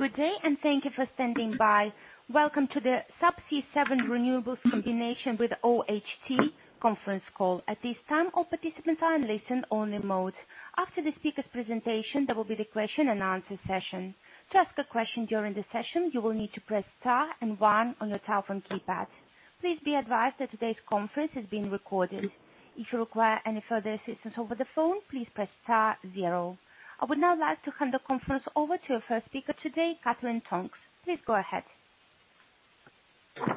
Welcome to the Subsea7 Renewables Combination with OHT Conference Call. I would now like to hand the conference over to our first speaker today, Katherine Tonks. Please go ahead.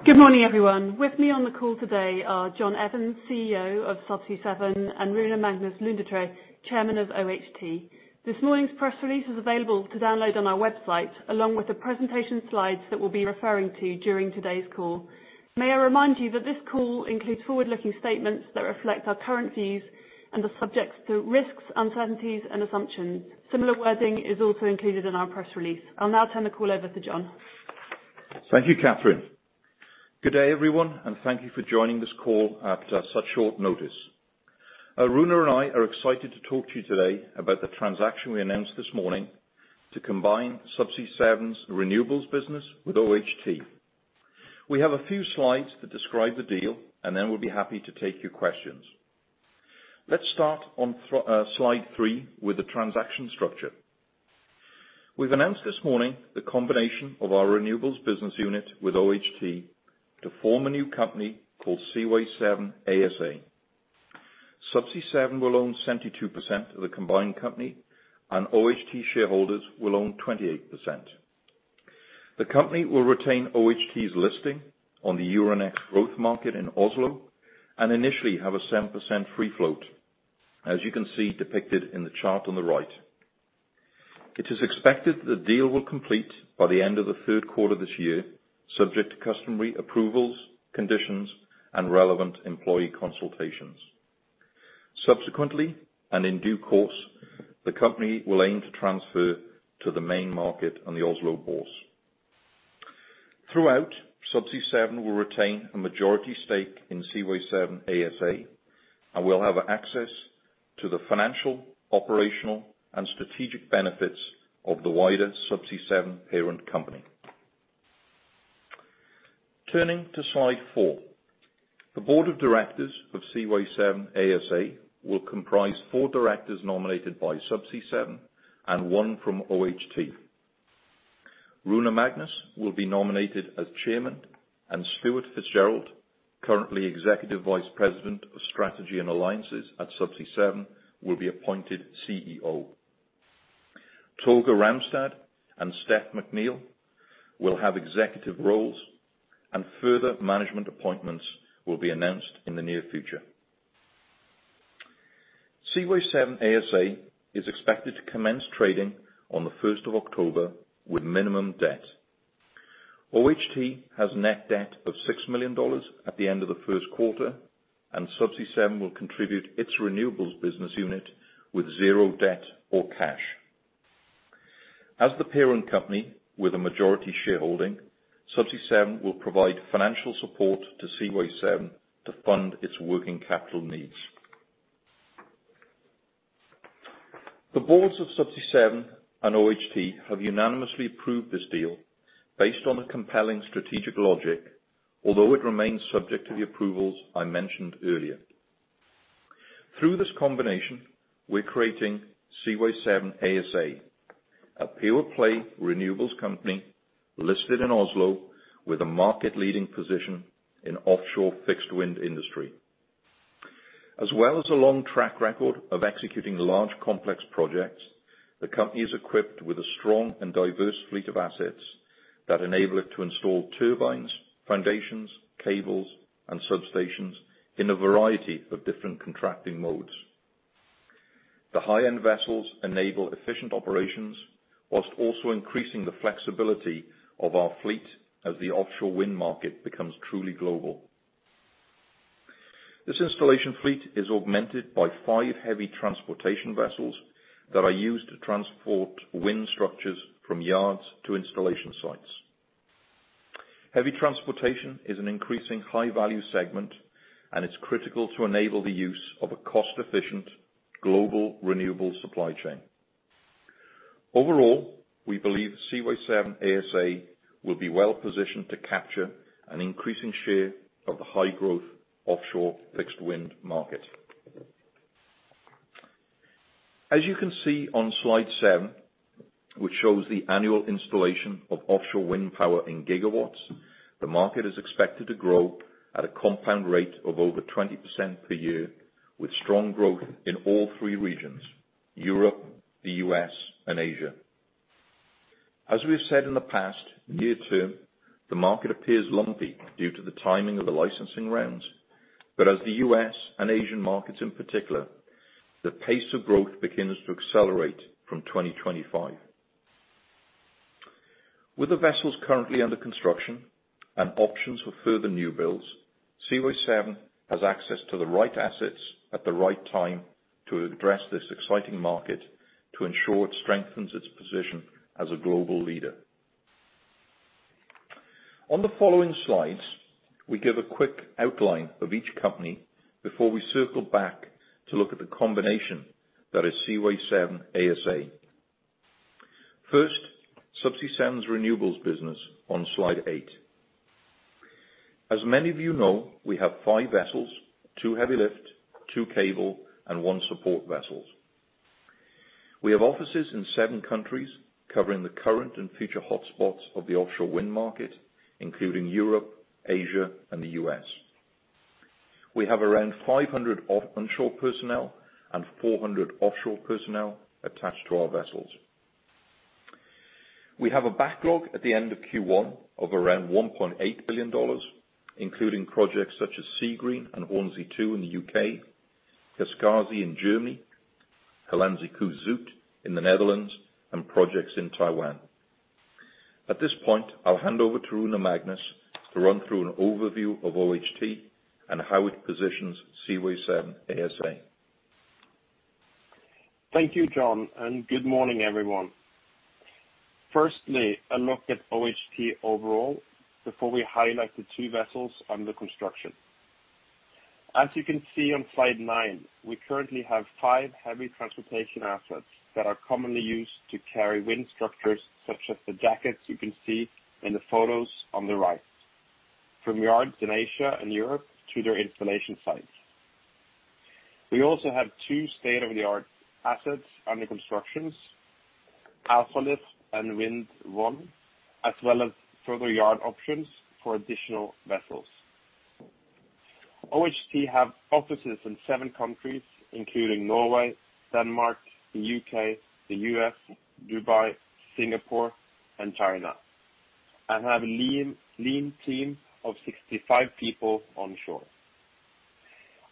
Good morning, everyone. With me on the call today are John Evans, CEO of Subsea7, and Rune Magnus Lundetræ, Chairman of OHT. This morning's press release is available to download on our website, along with the presentation slides that we'll be referring to during today's call. May I remind you that this call includes forward-looking statements that reflect our current views and are subject to risks, uncertainties, and assumptions. Similar wording is also included in our press release. I'll now turn the call over to John. Thank you, Katherine. Good day, everyone, and thank you for joining this call after such short notice. Rune and I are excited to talk to you today about the transaction we announced this morning to combine Subsea7's renewables business with OHT. We have a few slides that describe the deal, and then we'll be happy to take your questions. Let's start on slide three with the transaction structure. We've announced this morning the combination of our renewables business unit with OHT to form a new company called Seaway7 ASA. Subsea7 will own 72% of the combined company, and OHT shareholders will own 28%. The company will retain OHT's listing on the Euronext Growth Market in Oslo and initially have a 7% free float, as you can see depicted in the chart on the right. It is expected that the deal will complete by the end of the third quarter this year, subject to customary approvals, conditions, and relevant employee consultations. Subsequently, and in due course, the company will aim to transfer to the main market on the Oslo Bourse. Throughout, Subsea7 will retain a majority stake in Seaway7 ASA and will have access to the financial, operational, and strategic benefits of the wider Subsea7 parent company. Turning to slide four. The board of directors of Seaway7 ASA will comprise four directors nominated by Subsea7 and one from OHT. Rune Magnus will be nominated as chairman, and Stuart Fitzgerald, currently Executive Vice President of Strategy and Alliances at Subsea7, will be appointed CEO. Torgeir Ramstad and Steph McNeill will have executive roles. Further management appointments will be announced in the near future. Seaway7 ASA is expected to commence trading on the 1st of October with minimum debt. OHT has net debt of $6 million at the end of the first quarter, and Subsea7 will contribute its renewables business unit with zero debt or cash. As the parent company with a majority shareholding, Subsea7 will provide financial support to Seaway7 to fund its working capital needs. The boards of Subsea7 and OHT have unanimously approved this deal based on a compelling strategic logic, although it remains subject to the approvals I mentioned earlier. Through this combination, we're creating Seaway7 ASA, a pure-play renewables company listed in Oslo with a market-leading position in offshore fixed wind industry. As well as a long track record of executing large, complex projects, the company is equipped with a strong and diverse fleet of assets that enable it to install turbines, foundations, cables, and substations in a variety of different contracting modes. The high-end vessels enable efficient operations while also increasing the flexibility of our fleet as the offshore wind market becomes truly global. This installation fleet is augmented by five heavy transportation vessels that are used to transport wind structures from yards to installation sites. Heavy transportation is an increasing high-value segment, and it's critical to enable the use of a cost-efficient global renewable supply chain. Overall, we believe Seaway7 ASA will be well-positioned to capture an increasing share of the high-growth offshore fixed wind market. As you can see on slide seven, which shows the annual installation of offshore wind power in gigawatts, the market is expected to grow at a compound rate of over 20% per year, with strong growth in all three regions, Europe, the U.S., and Asia. As we've said in the past, near-term, the market appears lumpy due to the timing of the licensing rounds, but as the U.S. and Asian markets in particular, the pace of growth begins to accelerate from 2025. With the vessels currently under construction and options for further new builds, Seaway7 has access to the right assets at the right time to address this exciting market to ensure it strengthens its position as a global leader. On the following slides, we give a quick outline of each company before we circle back to look at the combination that is Seaway7 ASA. First, Subsea7's renewables business on slide eight. As many of you know, we have five vessels, two heavy lift, two cable, and one support vessels. We have offices in seven countries, covering the current and future hotspots of the offshore wind market, including Europe, Asia, and the U.S. We have around 500 offshore personnel and 400 offshore personnel attached to our vessels. We have a backlog at the end of Q1 of around $1.8 billion, including projects such as Seagreen and Hornsea 2 in the U.K., Kaskasi in Germany, Hollandse Kust Zuid in the Netherlands, and projects in Taiwan. At this point, I'll hand over to Rune Magnus to run through an overview of OHT and how it positions Seaway7 ASA. Thank you, John, and good morning, everyone. Firstly, a look at OHT overall, before we highlight the two vessels under construction. As you can see on slide nine, we currently have five heavy transportation assets that are commonly used to carry wind structures, such as the jackets you can see in the photos on the right from yard Indonesia and Europe to their installation site. We also have two state-of-the-art assets under constructions, Alfa Lift and Vind 1, as well as further yard options for additional vessels. OHT have offices in seven countries, including Norway, Denmark, the U.K., the U.S., Dubai, Singapore, and China, and have a lean team of 65 people on shore.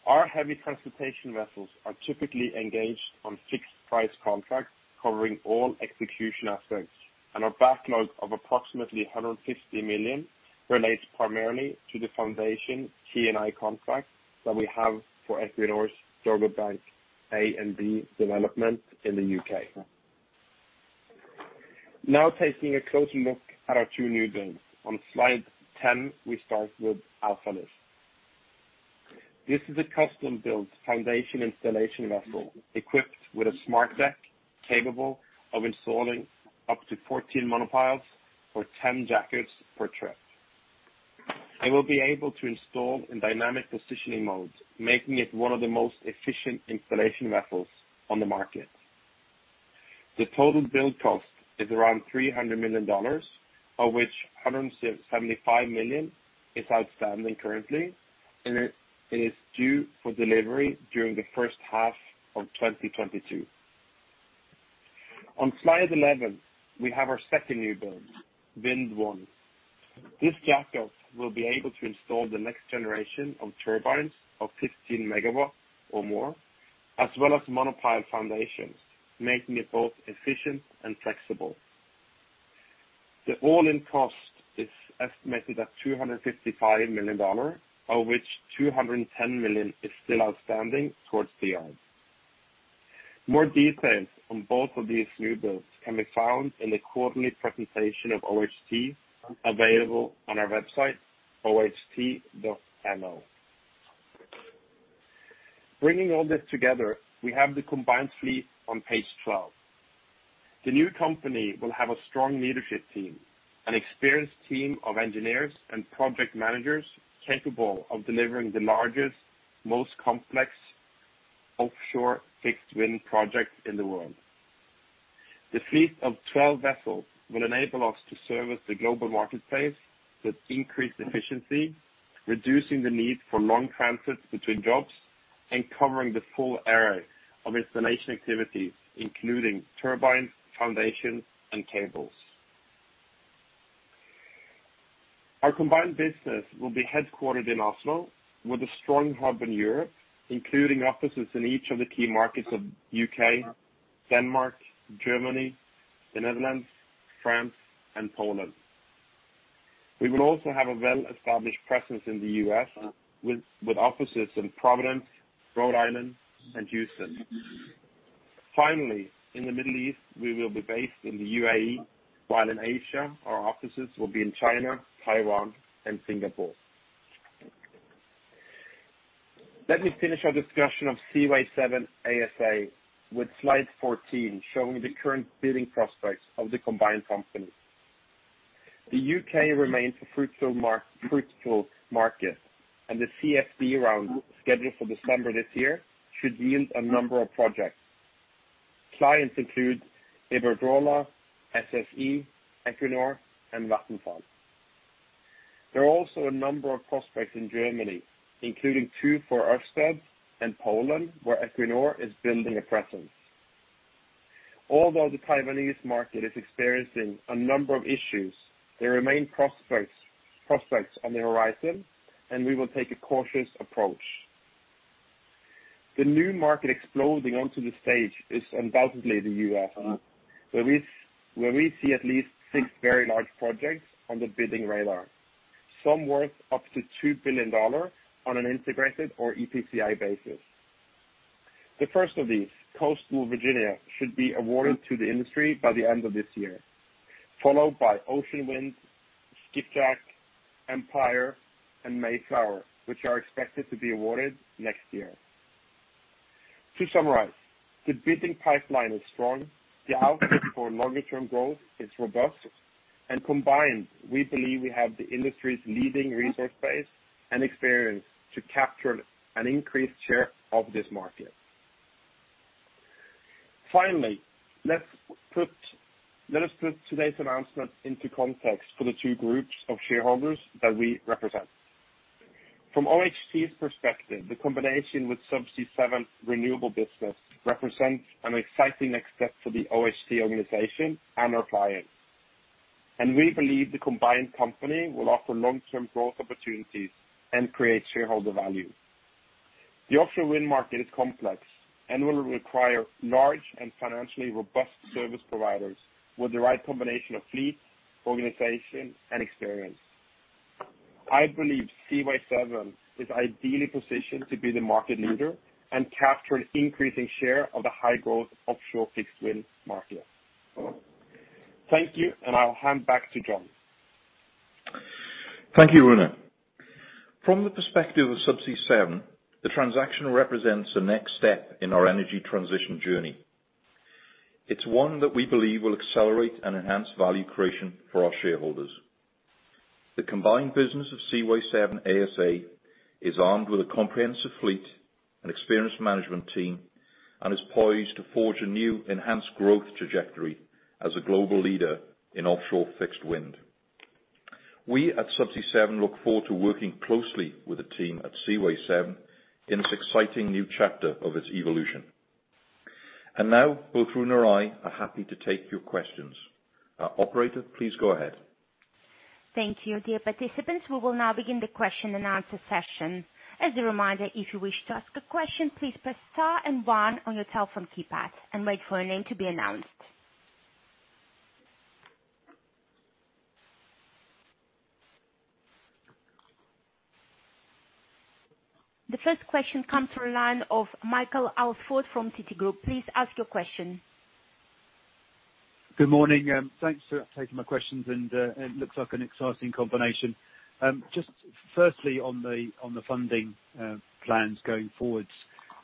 Our heavy transportation vessels are typically engaged on fixed price contracts covering all execution aspects, and our backlog of approximately $150 million relates primarily to the foundation T&I contracts that we have for Equinor's Dogger Bank A and B development in the U.K. Now taking a closer look at our two new builds. On slide 10, we start with Alfa Lift. This is a custom-built foundation installation vessel equipped with a smart deck capable of installing up to 14 monopiles or 10 jackets per trip, and will be able to install in dynamic positioning modes, making it one of the most efficient installation vessels on the market. The total build cost is around $300 million, of which $175 million is outstanding currently, and it is due for delivery during the first half of 2022. On slide 11, we have our second new build, Vind 1. This jack-up will be able to install the next generation of turbines of 15 megawatts or more, as well as monopile foundations, making it both efficient and flexible. The all-in cost is estimated at $255 million, of which $210 million is still outstanding towards the yard. More details on both of these new builds can be found in the quarterly presentation of OHT available on our website, oht.no. Bringing all this together, we have the combined fleet on page 12. The new company will have a strong leadership team, an experienced team of engineers and project managers capable of delivering the largest, most complex offshore fixed wind projects in the world. The fleet of 12 vessels will enable us to service the global marketplace with increased efficiency, reducing the need for long transits between jobs and covering the full array of installation activities, including turbines, foundations, and cables. Our combined business will be headquartered in Oslo with a strong hub in Europe, including offices in each of the key markets of U.K., Denmark, Germany, the Netherlands, France, and Poland. We will also have a well-established presence in the U.S. with offices in Providence, Rhode Island, and Houston. Finally, in the Middle East, we will be based in the UAE, while in Asia, our offices will be in China, Taiwan, and Singapore. Let me finish our discussion of Seaway7 ASA with slide 14 showing the current bidding prospects of the combined company. The U.K. remains a fruitful market, and the CfD round scheduled for December this year should yield a number of projects. Clients include Iberdrola, SSE, Equinor, and Vattenfall. There are also a number of prospects in Germany, including two for Ørsted and Poland, where Equinor is building a presence. Although the Taiwanese market is experiencing a number of issues, there remain prospects on the horizon, and we will take a cautious approach. The new market exploding onto the stage is undoubtedly the U.S., where we see at least six very large projects on the bidding radar, some worth up to $2 billion on an integrated or EPCI basis. The first of these, Coastal Virginia, should be awarded to the industry by the end of this year, followed by Ocean Wind, Skipjack, Empire, and Mayflower, which are expected to be awarded next year. To summarize, the bidding pipeline is strong, the outlook for longer term growth is robust, and combined, we believe we have the industry's leading resource base and experience to capture an increased share of this market. Finally, let us put today's announcement into context for the two groups of shareholders that we represent. From OHT's perspective, the combination with Subsea7 Renewables business represents an exciting next step for the OHT organization and our clients. We believe the combined company will offer long-term growth opportunities and create shareholder value. The offshore wind market is complex and will require large and financially robust service providers with the right combination of fleet, organization, and experience. I believe Seaway7 is ideally positioned to be the market leader and capture increasing share of the high-growth offshore fixed wind market. Thank you. I'll hand back to John. Thank you, Rune. From the perspective of Subsea7, the transaction represents a next step in our energy transition journey. It's one that we believe will accelerate and enhance value creation for our shareholders. The combined business of Seaway7 ASA is armed with a comprehensive fleet, an experienced management team, and is poised to forge a new enhanced growth trajectory as a global leader in offshore fixed wind. We at Subsea7 look forward to working closely with the team at Seaway7 in this exciting new chapter of its evolution. Now, both Rune and I are happy to take your questions. Operator, please go ahead. Thank you. Dear participants, we will now begin the question and answer session. The first question comes from the line of Michael Alsford from Citigroup. Please ask your question. Good morning. Thanks for taking my questions. It looks like an exciting combination. Just firstly on the funding plans going forwards.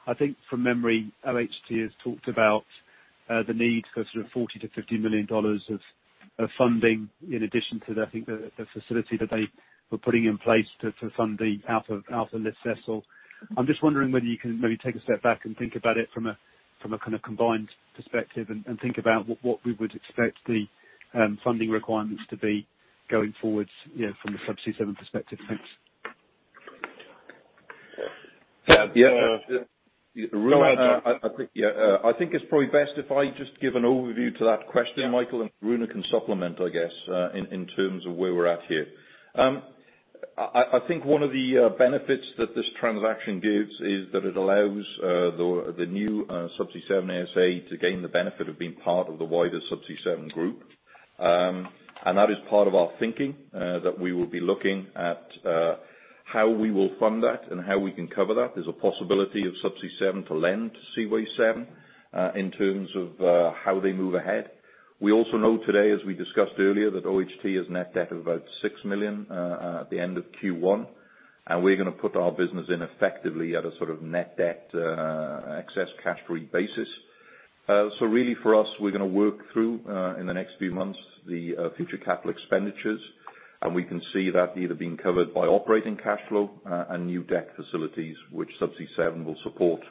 I think from memory, OHT has talked about the need for sort of $40 million-$50 million of funding in addition to the, I think, the facility that they were putting in place to fund the Alfa Lift vessel. I'm just wondering whether you can maybe take a step back and think about it from a kind of combined perspective, think about what we would expect the funding requirements to be going forwards from the Subsea7 perspective. Thanks. I think it's probably best if I just give an overview to that question Michael, and Rune can supplement, I guess, in terms of where we're at here. I think one of the benefits that this transaction gives is that it allows the new Seaway7 ASA to gain the benefit of being part of the wider Subsea7 Group. That is part of our thinking, that we will be looking at how we will fund that and how we can cover that. There's a possibility of Subsea7 to lend to Seaway7, in terms of how they move ahead. We also know today, as we discussed earlier, that OHT has a net debt of about $6 million at the end of Q1, and we're going to put our business in effectively at a sort of net debt, excess cash free basis. Really for us, we're going to work through, in the next few months, the future CapEx, and we can see that either being covered by operating cash flow and new debt facilities, which Subsea7 will support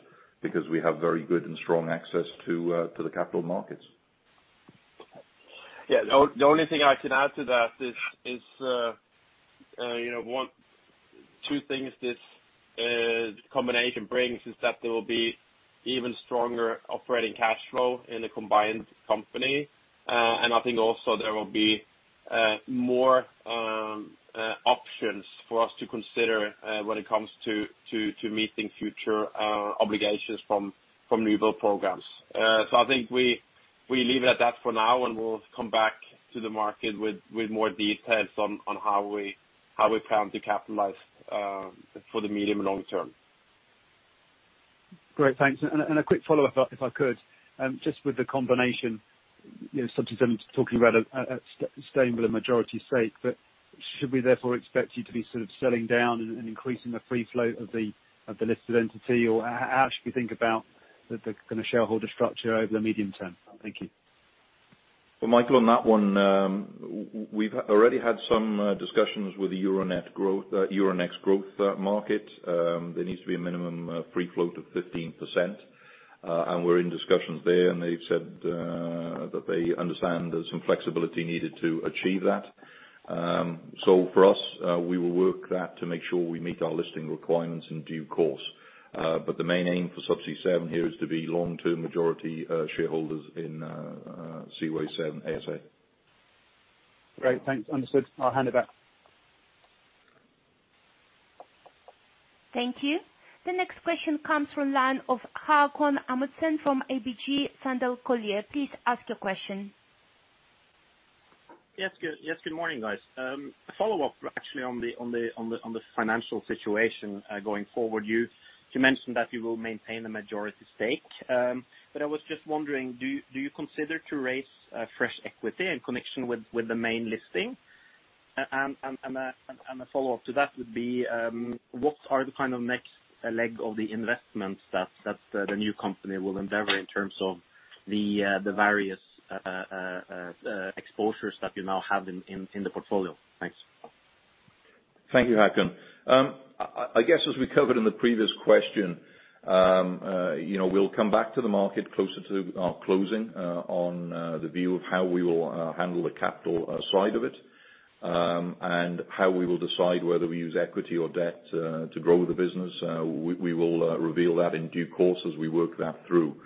because we have very good and strong access to the capital markets. Yeah. The only thing I can add to that is two things this combination brings is that there will be even stronger operating cash flow in the combined company. I think also there will be more options for us to consider when it comes to meeting future obligations from renewable programs. I think we leave it at that for now, and we'll come back to the market with more details on how we plan to capitalize for the medium and long term. Great. Thanks. A quick follow-up, if I could. Just with the combination, Subsea7 talking about staying with a majority stake, but should we therefore expect you to be sort of selling down and increasing the free float of the listed entity? How should we think about the kind of shareholder structure over the medium term? Thank you. Well, Michael, on that one, we've already had some discussions with the Euronext Growth Market. There needs to be a minimum free float of 15%, and we're in discussions there, and they've said that they understand there's some flexibility needed to achieve that. For us, we will work that to make sure we meet our listing requirements in due course. The main aim for Subsea7 here is to be long-term majority shareholders in Seaway7 ASA. Great. Thanks. Understood. I'll hand it back. Thank you. The next question comes from the line of Haakon Amundsen from ABG Sundal Collier. Please ask your question. Yes, good morning, guys. A follow-up, actually, on the financial situation going forward. You mentioned that you will maintain the majority stake. I was just wondering, do you consider to raise fresh equity in connection with the main listing? A follow-up to that would be, what are the next leg of the investments that the new company will endeavor in terms of the various exposures that you now have in the portfolio? Thanks. Thank you, Haakon. I guess as we covered in the previous question, we'll come back to the market closer to our closing on the view of how we will handle the capital side of it, and how we will decide whether we use equity or debt to grow the business. We will reveal that in due course as we work that through.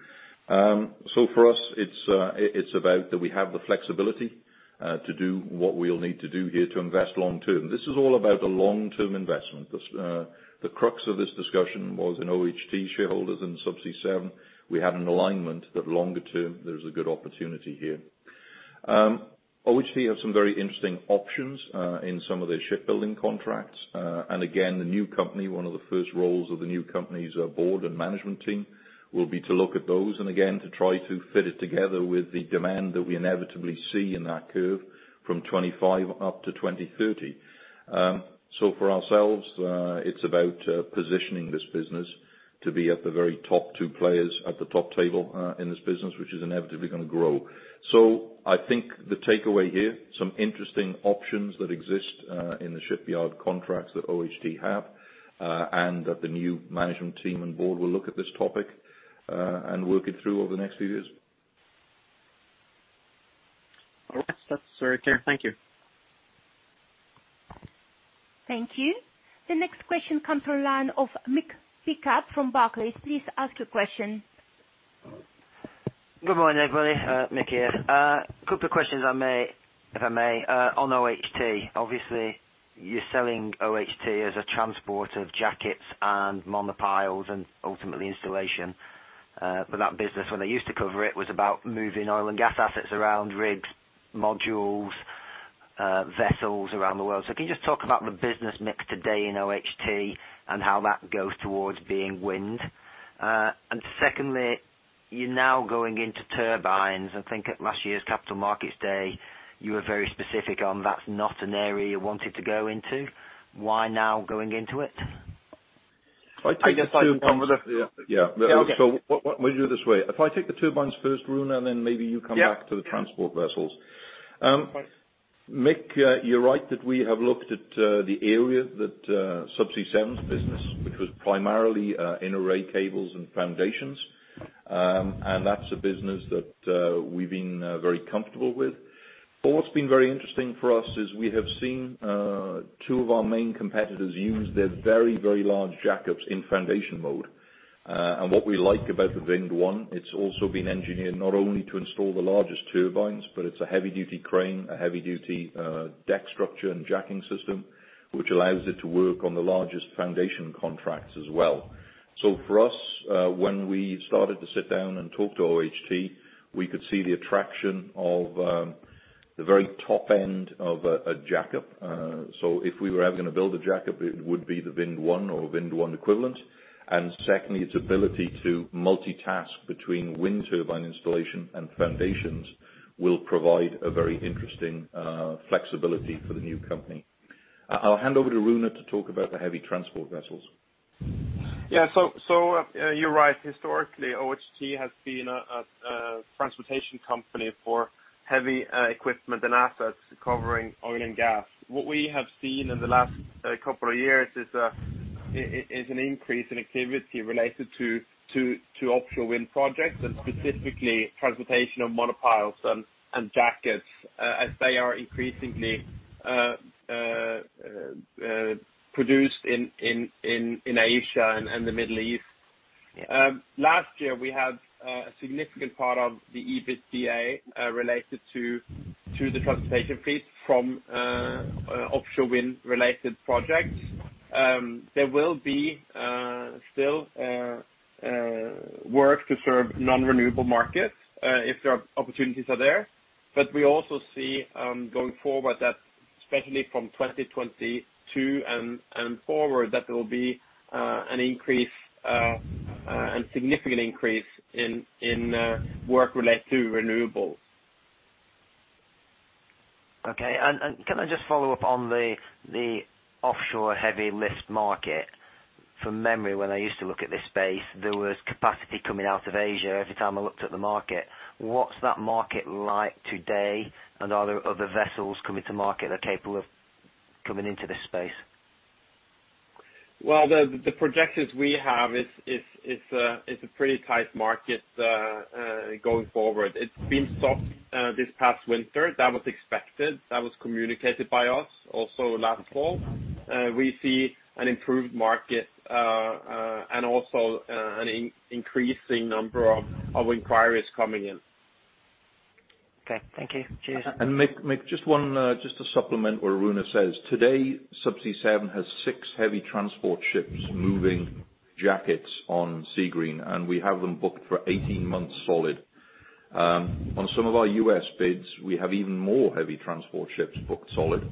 For us, it's about that we have the flexibility to do what we'll need to do here to invest long-term. This is all about a long-term investment. The crux of this discussion was in OHT shareholders and Subsea7. We had an alignment that longer-term, there's a good opportunity here. OHT have some very interesting options in some of their shipbuilding contracts. One of the first roles of the new company's board and management team will be to look at those, and again, to try to fit it together with the demand that we inevitably see in that curve from 2025 up to 2030. For ourselves, it's about positioning this business to be at the very top two players at the top table in this business, which is inevitably going to grow. I think the takeaway here, some interesting options that exist in the shipyard contracts that OHT have, and that the new management team on board will look at this topic, and work it through over the next few years. All right. That's very clear. Thank you. Thank you. The next question comes to line of Mick Pickup from Barclays. Please ask your question. Good morning, everybody. Mick here. Couple of questions, if I may. On OHT, obviously, you're selling OHT as a transport of jackets and monopiles and ultimately installation. That business, when they used to cover it, was about moving oil and gas assets around rigs, modules, vessels around the world. Can you just talk about the business mix today in OHT and how that goes towards being wind? Secondly, you're now going into turbines. I think at last year's Capital Markets Day, you were very specific on that's not an area you wanted to go into. Why now going into it? If I take the two I guess that's one of the Yeah. Okay. We do it this way. If I take the turbines first, Rune, and then maybe you come back to the transport vessels. Yeah. Mick, you're right that we have looked at the area that Subsea7's business, which was primarily in array cables and foundations. That's a business that we've been very comfortable with. What's been very interesting for us is we have seen two of our main competitors use their very, very large jack-ups in foundation mode. What we like about the Vind 1, it's also been engineered not only to install the largest turbines, but it's a heavy duty crane, a heavy duty deck structure and jacking system, which allows it to work on the largest foundation contracts as well. For us, when we started to sit down and talk to OHT, we could see the attraction of the very top end of a jack-up. If we were ever going to build a jack-up, it would be the Vind 1 or Vind 1 equivalent. Secondly, its ability to multitask between wind turbine installation and foundations will provide a very interesting flexibility for the new company. I'll hand over to Rune to talk about the heavy transport vessels. Yeah. You're right. Historically, OHT has been a transportation company for heavy equipment and assets covering oil and gas. What we have seen in the last couple of years is an increase in activity related to offshore wind projects and specifically transportation of monopiles and jackets as they are increasingly produced in Asia and the Middle East. Yeah. Last year, we had a significant part of the EBITDA related to the transportation fees from offshore wind-related projects. There will be still work to serve non-renewable markets, if there are opportunities are there. We also see, going forward, that especially from 2022 and forward, that there will be an increase, a significant increase in work related to renewables. Okay. Can I just follow up on the offshore heavy lift market? From memory, when I used to look at this space, there was capacity coming out of Asia every time I looked at the market. What's that market like today, and are there other vessels coming to market that are capable of coming into this space? Well, the projections we have, it's a pretty tight market going forward. It's been soft this past winter. That was expected. That was communicated by us also last fall. We see an improved market, and also an increasing number of inquiries coming in. Okay. Thank you. Cheers. Mick, just to supplement what Rune says, today, Subsea7 has six heavy transport ships moving jackets on Seagreen, and we have them booked for 18 months solid. On some of our U.S. bids, we have even more heavy transport ships booked solid.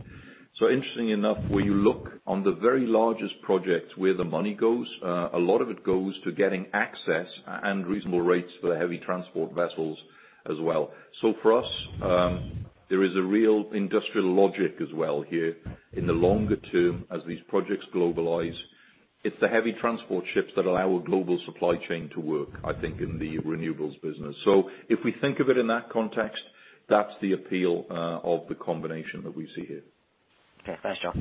Interestingly enough, when you look on the very largest projects where the money goes, a lot of it goes to getting access and reasonable rates for the heavy transport vessels as well. For us, there is a real industrial logic as well here in the longer term as these projects globalize. It's the heavy transport ships that allow a global supply chain to work, I think, in the renewables business. If we think of it in that context, that's the appeal of the combination that we see here. Okay, pleasure.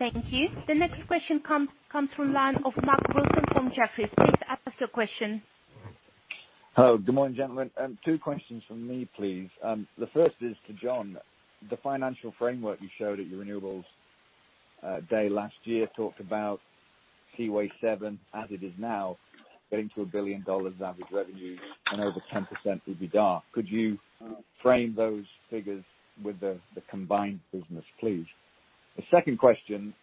Thank you. The next question comes from line of Mark Wilson from Jefferies. Please ask your question. Hello. Good morning, gentlemen. Two questions from me, please. The first is to John. The financial framework you showed at your renewables day last year talked about Seaway7, as it is now, getting to a billion-dollar average revenue and over 10% EBITDA. Could you frame those figures with the combined business, please? The second question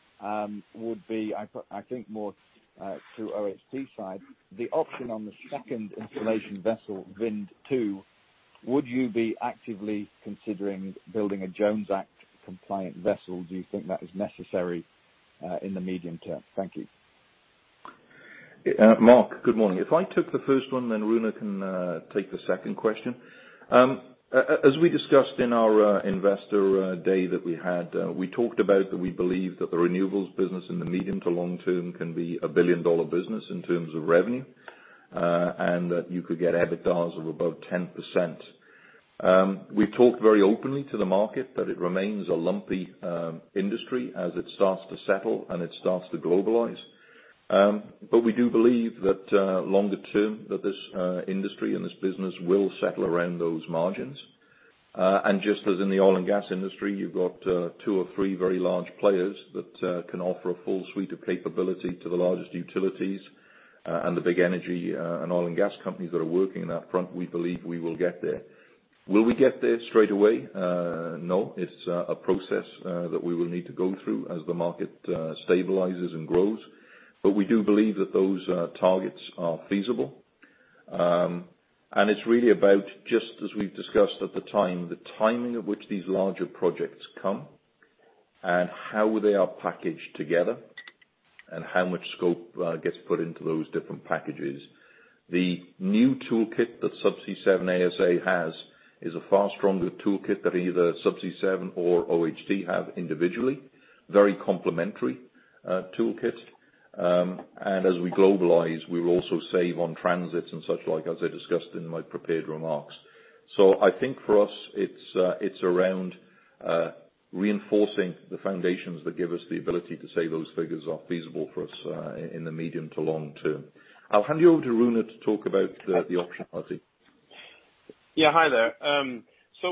would be, I think more to OHT side. The option on the second installation vessel, Vind 2, would you be actively considering building a Jones Act compliant vessel? Do you think that is necessary in the medium term? Thank you. Mark, good morning. If I took the first one, then Rune can take the second question. As we discussed in our investor day that we had, we talked about that we believe that the renewables business in the medium to long term can be a billion-dollar business in terms of revenue, and that you could get EBITDA of above 10%. We talked very openly to the market that it remains a lumpy industry as it starts to settle and it starts to globalize. We do believe that longer term, that this industry and this business will settle around those margins. Just as in the oil and gas industry, you've got two or three very large players that can offer a full suite of capability to the largest utilities and the big energy and oil and gas companies that are working on that front, we believe we will get there. Will we get there straight away? No. It's a process that we will need to go through as the market stabilizes and grows. We do believe that those targets are feasible. It's really about, just as we've discussed at the time, the timing of which these larger projects come and how they are packaged together and how much scope gets put into those different packages. The new toolkit that Subsea7 ASA has is a far stronger toolkit than either Subsea7 or OHT have individually. Very complementary toolkit. As we globalize, we will also save on transits and such like, as I discussed in my prepared remarks. I think for us, it's around reinforcing the foundations that give us the ability to say those figures are feasible for us in the medium to long term. I'll hand you over to Rune to talk about the option part. Yeah, hi there.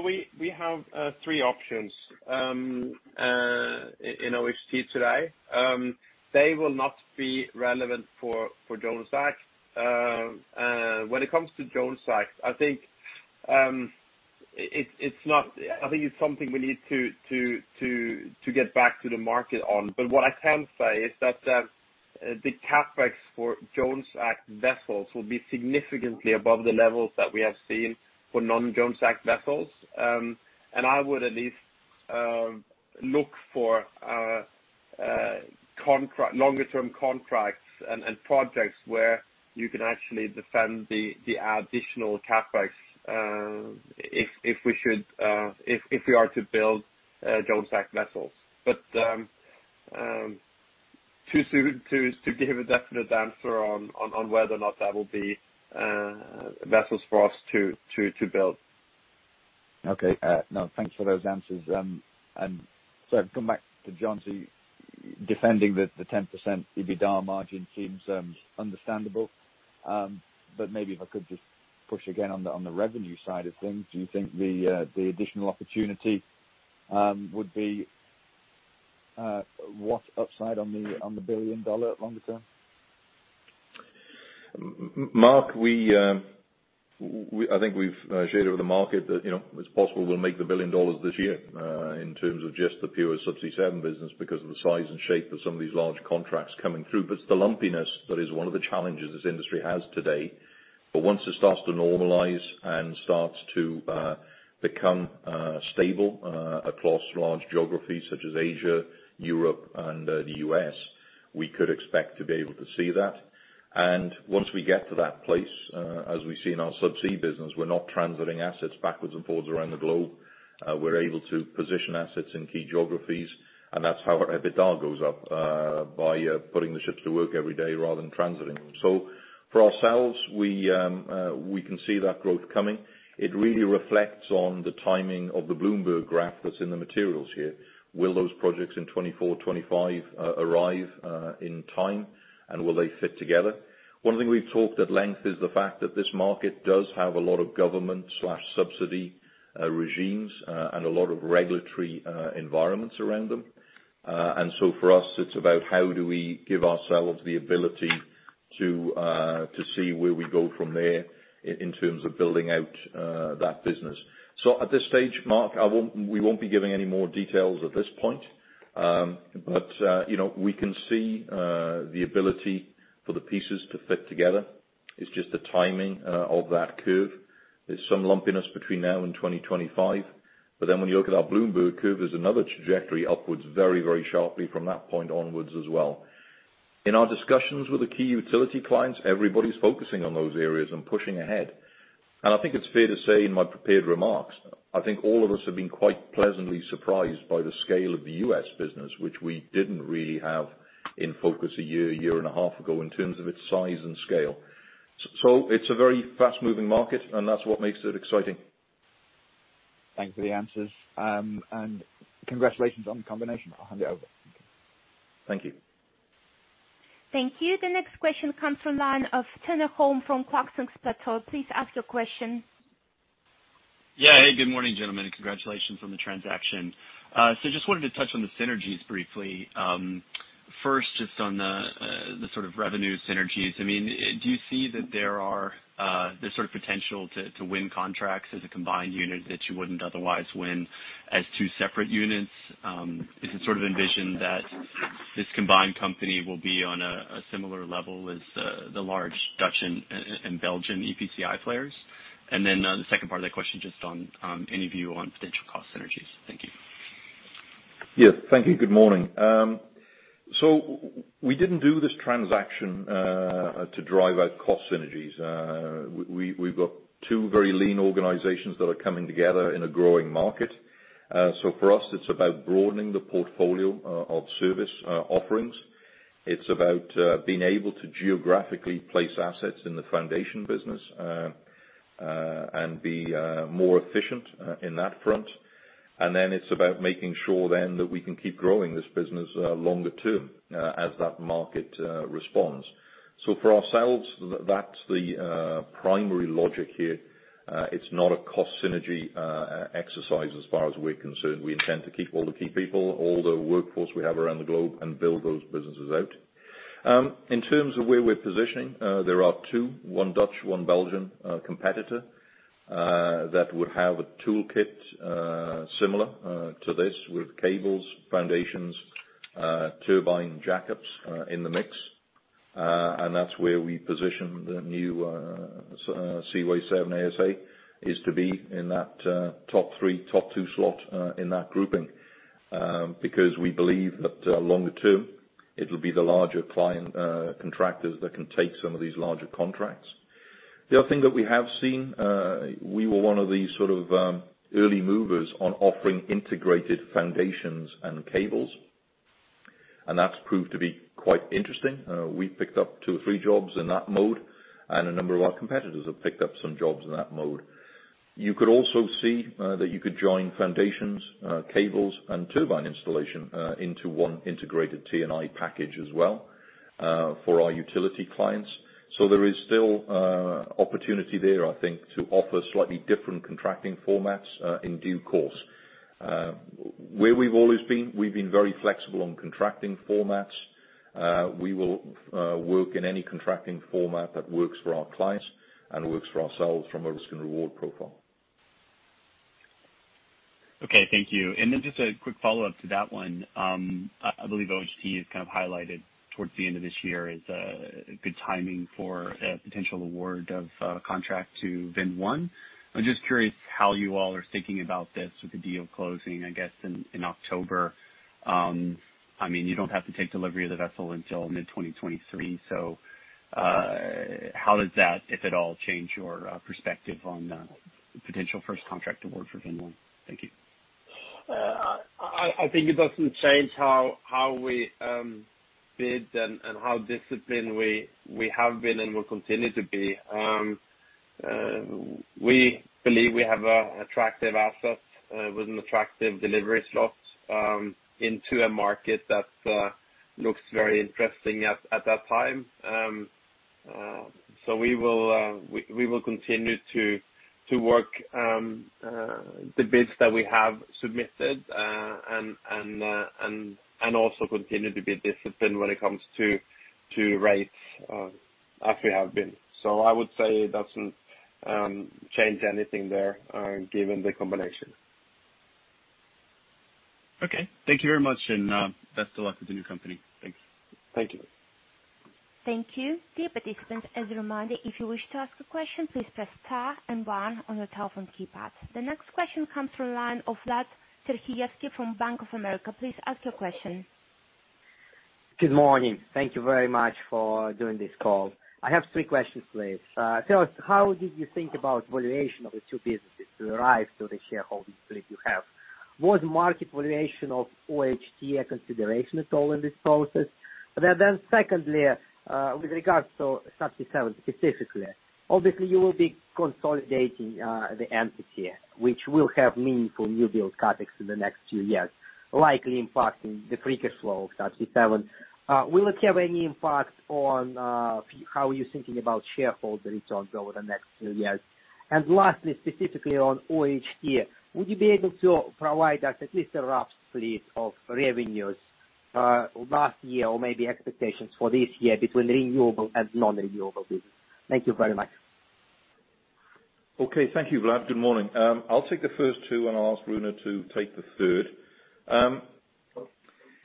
We have three options in OHT today. They will not be relevant for Jones Act. When it comes to Jones Act, I think it's something we need to get back to the market on. What I can say is that the CapEx for Jones Act vessels will be significantly above the levels that we have seen for non-Jones Act vessels. I would at least look for longer term contracts and projects where you can actually defend the additional CapEx, if we are to build Jones Act vessels. Too soon to give a definite answer on whether or not that will be vessels for us to build. Okay. No, thanks for those answers. I'll come back to John. Defending the 10% EBITDA margin seems understandable, but maybe if I could just push again on the revenue side of things. Do you think the additional opportunity would be what upside on the billion-dollar longer term? Mark, I think we've shared with the market that it's possible we'll make the $1 billion this year in terms of just the pure Subsea7 business because of the size and shape of some of these large contracts coming through. It's the lumpiness that is one of the challenges this industry has today. Once it starts to normalize and starts to become stable across large geographies such as Asia, Europe, and the U.S., we could expect to be able to see that. Once we get to that place, as we see in our subsea business, we're not transiting assets backwards and forwards around the globe. We're able to position assets in key geographies, and that's how our EBITDA goes up, by putting the ships to work every day rather than transiting them. For ourselves, we can see that growth coming. It really reflects on the timing of the Bloomberg graph that's in the materials here. Will those projects in 2024, 2025 arrive in time, and will they fit together? One thing we've talked at length is the fact that this market does have a lot of government/subsidy regimes and a lot of regulatory environments around them. For us, it's about how do we give ourselves the ability to see where we go from there in terms of building out that business. At this stage, Mark, we won't be giving any more details at this point. We can see the ability for the pieces to fit together. It's just the timing of that curve. There's some lumpiness between now and 2025. When you look at that Bloomberg curve, there's another trajectory upwards very sharply from that point onwards as well. In our discussions with the key utility clients, everybody's focusing on those areas and pushing ahead. I think it's fair to say in my prepared remarks, I think all of us have been quite pleasantly surprised by the scale of the U.S. business, which we didn't really have in focus a year and a half ago in terms of its size and scale. It's a very fast-moving market, and that's what makes it exciting. Thanks for the answers, and congratulations on the combination. I'll hand it over. Thank you. Thank you. The next question comes from the line of Turner Holm from Clarksons Platou. Please ask your question. Yeah. Hey, good morning, gentlemen. Congratulations on the transaction. Just wanted to touch on the synergies briefly. First, just on the sort of revenue synergies. Do you see that there are the sort of potential to win contracts as a combined unit that you wouldn't otherwise win as two separate units? Is it sort of envisioned that this combined company will be on a similar level as the large Dutch and Belgian EPCI players? The second part of the question, just on any view on potential cost synergies. Thank you. Thank you. Good morning. We didn't do this transaction to drive out cost synergies. We've got two very lean organizations that are coming together in a growing market. For us, it's about broadening the portfolio of service offerings. It's about being able to geographically place assets in the foundation business, and be more efficient in that front. It's about making sure then that we can keep growing this business longer term as that market responds. For ourselves, that's the primary logic here. It's not a cost synergy exercise as far as we're concerned. We intend to keep all the key people, all the workforce we have around the globe and build those businesses out. In terms of where we are positioning, there are two, one Dutch, one Belgian competitor, that would have a toolkit similar to this with cables, foundations, turbine jackups in the mix. That's where we position the new Seaway7 ASA is to be in that top three, top two slot in that grouping because we believe that longer term, it will be the larger client contractors that can take some of these larger contracts. The other thing that we have seen, we were one of the early movers on offering integrated foundations and cables, and that's proved to be quite interesting. We picked up two or three jobs in that mode, and a number of our competitors have picked up some jobs in that mode. You could also see that you could join foundations, cables, and turbine installation into one integrated T&I package as well for our utility clients. There is still opportunity there, I think, to offer slightly different contracting formats in due course. Where we've always been, we've been very flexible on contracting formats. We will work in any contracting format that works for our clients and works for ourselves from a risk and reward profile. Okay. Thank you. Just a quick follow-up to that one. I believe OHT has kind of highlighted towards the end of this year is a good timing for a potential award of a contract to Vind 1. I'm just curious how you all are thinking about this with the deal closing, I guess, in October. You don't have to take delivery of the vessel until mid-2023. How does that, if at all, change your perspective on the potential first contract award for Vind 1? Thank you. I think it doesn't change how we bid and how disciplined we have been and will continue to be. We believe we have attractive assets with an attractive delivery slot into a market that looks very interesting at that time. We will continue to work the bids that we have submitted and also continue to be disciplined when it comes to rates as we have been. I would say it doesn't change anything there given the combination. Okay. Thank you very much, and best of luck with the new company. Thank you. Thank you. Thank you. Dear participants, as a reminder if you wish to ask a question, press star and one on your telephone keypad. The next question comes from the line of Vlad Sergievskiy from Bank of America. Please ask your question. Good morning. Thank you very much for doing this call. I have three questions, please. How did you think about valuation of the two businesses derived to the shareholding split you have? Was market valuation of OHT a consideration at all in this process? Then secondly, with regards to Subsea7 specifically, obviously you will be consolidating the entity which will have meaningful newbuild CapEx in the next few years, likely impacting the free cash flow of Subsea7. Will it have any impact on how you're thinking about shareholder returns over the next few years? Lastly, specifically on OHT, would you be able to provide us at least a rough split of revenues last year or maybe expectations for this year between renewable and non-renewable business? Thank you very much. Okay, thank you, Vlad. Good morning. I'll take the first two and I'll ask Rune to take the third.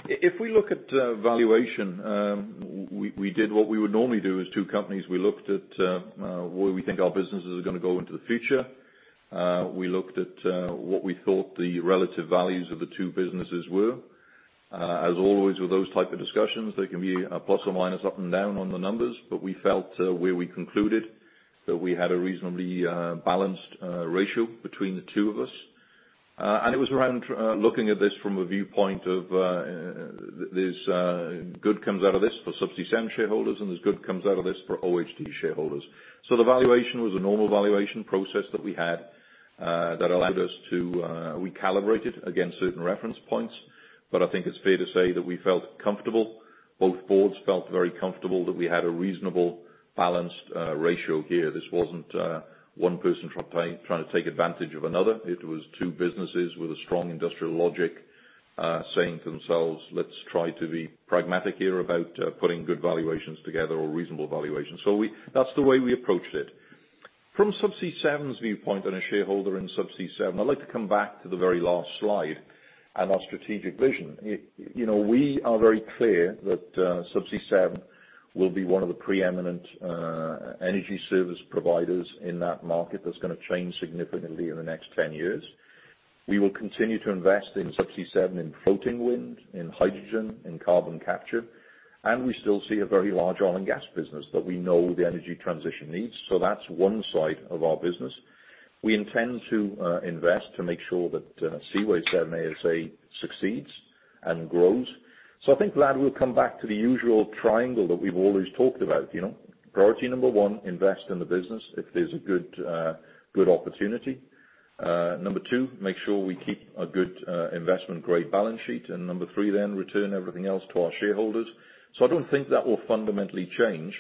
If we look at valuation, we did what we would normally do as two companies. We looked at where we think our businesses are going to go into the future. We looked at what we thought the relative values of the two businesses were. As always, with those type of discussions, there can be a plus or minus up and down on the numbers, but we felt where we concluded that we had a reasonably balanced ratio between the two of us. It was around looking at this from a viewpoint of there's good comes out of this for Subsea7 shareholders, and there's good comes out of this for OHT shareholders. The valuation was a normal valuation process that we had that allowed us to recalibrate it against certain reference points. I think it's fair to say that we felt comfortable. Both boards felt very comfortable that we had a reasonable, balanced ratio here. This wasn't one person trying to take advantage of another. It was two businesses with a strong industrial logic saying to themselves, "Let's try to be pragmatic here about putting good valuations together or reasonable valuations." That's the way we approached it. From Subsea7's viewpoint and a shareholder in Subsea7, I'd like to come back to the very last slide and our strategic vision. We are very clear that Subsea7 will be one of the preeminent energy service providers in that market that's going to change significantly in the next 10 years. We will continue to invest in Subsea7 in floating wind, in hydrogen, in carbon capture. We still see a very large oil and gas business that we know the energy transition needs. That's one side of our business. We intend to invest to make sure that Seaway7 ASA succeeds and grows. I think, Vlad, we'll come back to the usual triangle that we've always talked about. Priority number one, invest in the business if there's a good opportunity. Number two, make sure we keep a good investment-grade balance sheet. Number three, return everything else to our shareholders. I don't think that will fundamentally change.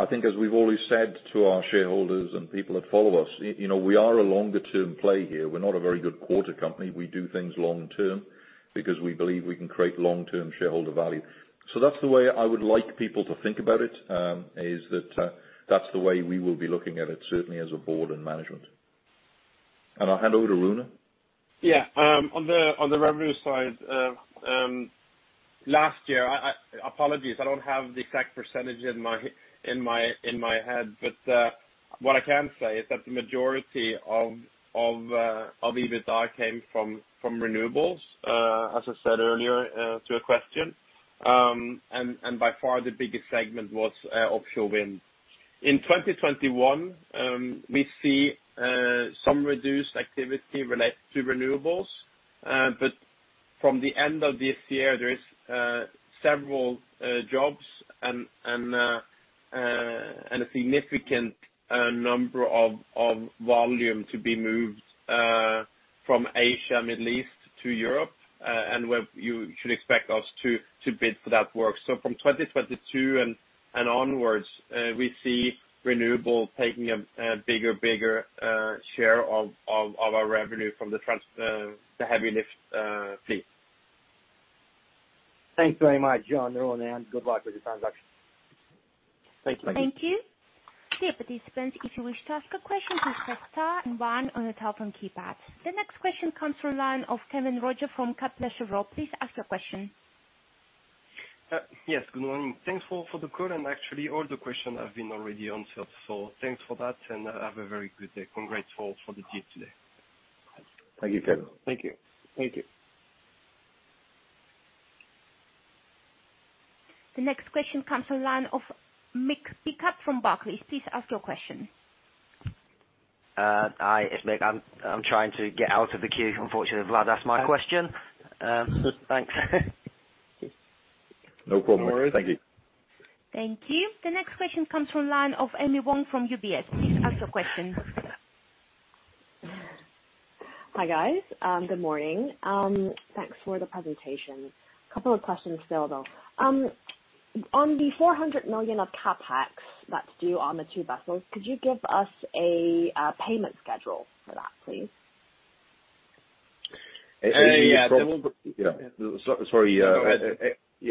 I think as we've always said to our shareholders and people that follow us, we are a longer-term play here. We're not a very good quarter company. We do things long term because we believe we can create long-term shareholder value. That's the way I would like people to think about it, is that that's the way we will be looking at it, certainly as a board and management. I'll hand over to Rune. Yeah. On the revenue side, last year, apologies, I don't have the exact percentage in my head, but what I can say is that the majority of EBITDA came from renewables, as I said earlier to a question. By far the biggest segment was offshore wind. In 2021, we see some reduced activity related to renewables. From the end of this year, there is several jobs and a significant number of volume to be moved from Asia, Middle East to Europe, and you should expect us to bid for that work. From 2022 and onwards, we see renewable taking a bigger share of our revenue from the heavy lift fleet. Thanks very much, John, Rune, and good luck with the transaction. Thank you. Thank you. Thank you. Dear participants, if you wish to ask a question, press star one on your telephone keypad. The next question comes from the line of Kevin Roger from Kepler Cheuvreux. Please ask your question. Yes, good morning. Thanks for the call and actually all the questions have been already answered. Thanks for that and have a very good day. Congrats for the deal today. Thank you, Kevin. Thank you. The next question comes from line of Mick Pickup from Barclays. Please ask your question. Hi, it's Mick. I'm trying to get out of the queue. Unfortunately, Vlad asked my question. Thanks. No problem. No worries. Thank you. Thank you. The next question comes from line of Amy Wong from UBS. Please ask your question. Hi, guys. Good morning. Thanks for the presentation. Couple of questions still, though. On the $400 million of CapEx that's due on the two vessels, could you give us a payment schedule for that, please? Hey, yeah. Sorry.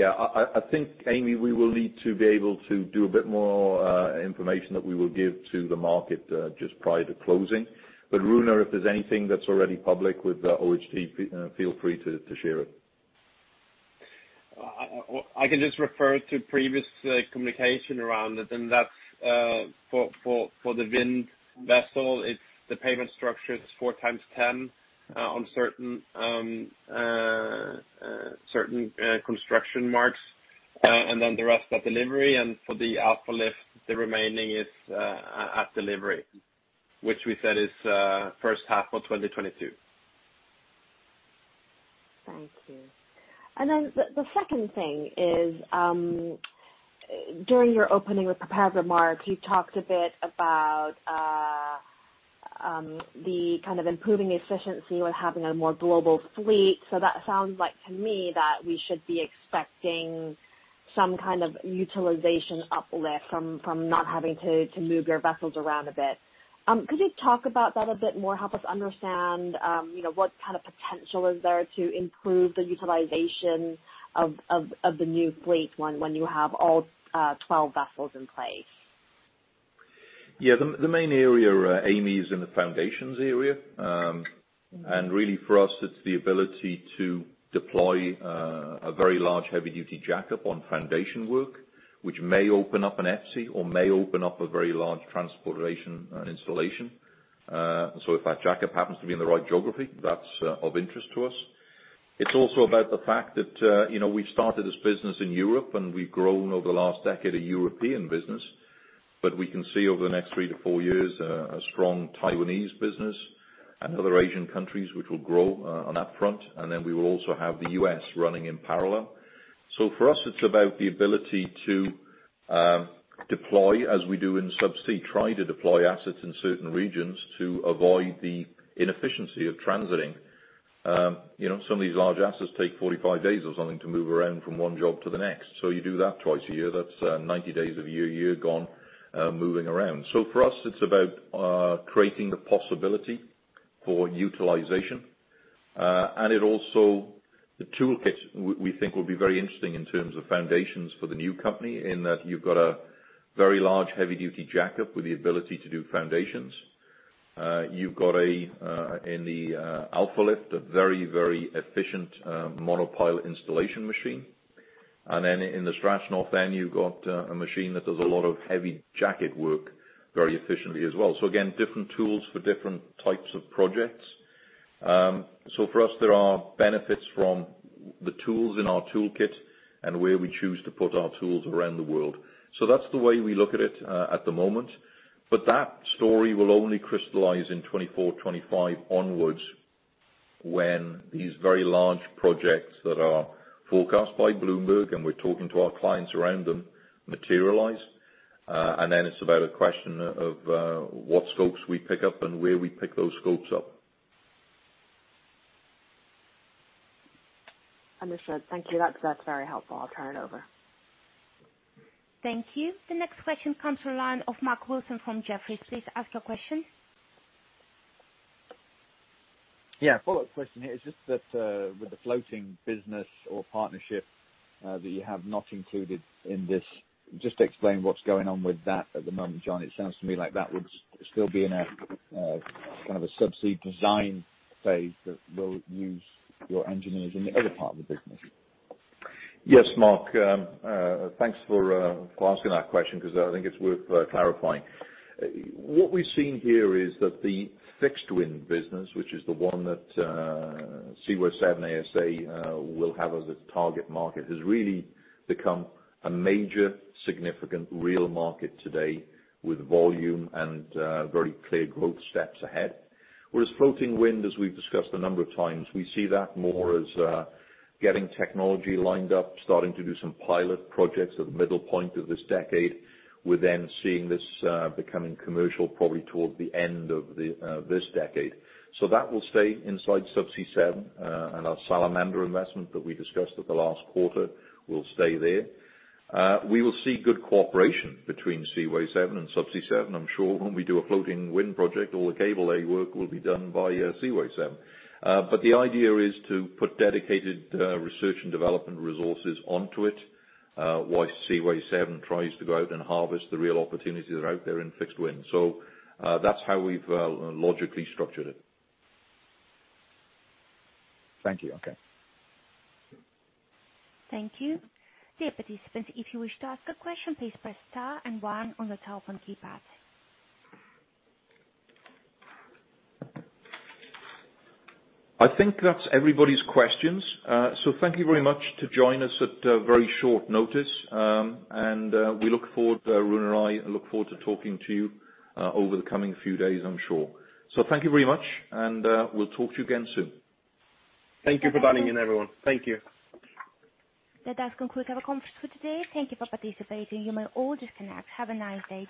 I think Amy, we will need to be able to do a bit more information that we will give to the market just prior to closing. Rune, if there's anything that's already public with OHT, feel free to share it. I can just refer to previous communication around it. That's for the Vind vessel, the payment structure is 4 times 10 on certain construction marks. The rest at delivery. For the Alfa Lift, the remaining is at delivery, which we said is first half of 2022. Thank you. The second thing is, during your opening prepared remarks, you talked a bit about the kind of improving efficiency with having a more global fleet. That sounds like to me that we should be expecting some kind of utilization uplift from not having to move your vessels around a bit. Could you talk about that a bit more? Help us understand what kind of potential is there to improve the utilization of the new fleet when you have all 12 vessels in place. Yeah. The main area, Amy, is in the foundations area. Really for us, it's the ability to deploy a very large heavy-duty jack-up on foundation work, which may open up an EPCI or may open up a very large transportation and installation. If that jack-up happens to be in the right geography, that's of interest to us. It's also about the fact that we've started this business in Europe, and we've grown over the last decade a European business. We can see over the next three to four years, a strong Taiwanese business and other Asian countries which will grow on that front. We will also have the U.S. running in parallel. For us, it's about the ability to deploy, as we do in Subsea, try to deploy assets in certain regions to avoid the inefficiency of transiting. Some of these large assets take 45 days or something to move around from one job to the next. You do that twice a year, that's 90 days of a year gone, moving around. For us, it's about creating the possibility for utilization. It also, the toolkit, we think, will be very interesting in terms of foundations for the new company, in that you've got a very large heavy-duty jack-up with the ability to do foundations. You've got, in the Alfa Lift, a very efficient monopile installation machine. In the Seaway Strashnov, you've got a machine that does a lot of heavy jacket work very efficiently as well. Again, different tools for different types of projects. For us, there are benefits from the tools in our toolkit and where we choose to put our tools around the world. That's the way we look at it at the moment. That story will only crystallize in 2024, 2025 onwards, when these very large projects that are forecast by Bloomberg, and we're talking to our clients around them, materialize. Then it's about a question of what scopes we pick up and where we pick those scopes up. Understood. Thank you. That's very helpful. I'll turn it over. Thank you. The next question comes from the line of Mark Wilson from Jefferies. Please ask your question. Yeah. Follow-up question here. It is just that with the floating business or partnership that you have not included in this, just explain what is going on with that at the moment, John. It sounds to me like that would still be in a subsea design phase that will use your engineers in the other part of the business. Yes, Mark. Thanks for asking that question because I think it's worth clarifying. What we've seen here is that the fixed wind business, which is the one that Seaway7 ASA will have as its target market, has really become a major, significant, real market today with volume and very clear growth steps ahead. Whereas floating wind, as we've discussed a number of times, we see that more as getting technology lined up, starting to do some pilot projects at the middle point of this decade. We're then seeing this becoming commercial probably towards the end of this decade. That will stay inside Subsea7, and our Salamander investment that we discussed at the last quarter will stay there. We will see good cooperation between Seaway7 and Subsea7. I'm sure when we do a floating wind project, all the cable lay work will be done by Seaway7. The idea is to put dedicated research and development resources onto it, while Seaway7 tries to go out and harvest the real opportunities that are out there in fixed wind. That's how we've logically structured it. Thank you. Okay. Thank you. Dear participants, if you wish to ask a question, please press star and one on your telephone keypad. I think that's everybody's questions. Thank you very much to join us at very short notice. We look forward, Rune and I, look forward to talking to you over the coming few days, I'm sure. Thank you very much, and we'll talk to you again soon. Thank you for dialing in, everyone. Thank you. That does conclude our conference call today. Thank you for participating. You may all disconnect. Have a nice day.